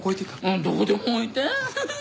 うんどこでも置いて。